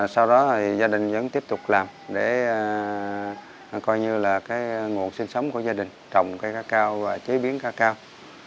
sau đó gia đình vẫn tiếp tục làm để coi như là nguồn sinh sống của gia đình trồng cây ca cao và chế biến ca cao